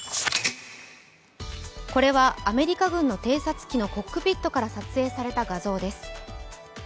これはアメリカ軍の偵察機のコックピットから撮影された画像です。